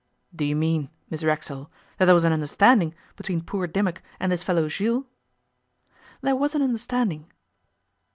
'Do you mean, Miss Racksole, that there was an understanding between poor Dimmock and this fellow Jules?' 'There was an understanding.